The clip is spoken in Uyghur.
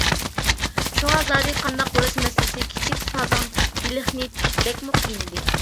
شۇڭا، زادى قانداق قىلىش مەسىلىسى كىچىك سازاڭ بېلىقنى بەكمۇ قىينىدى.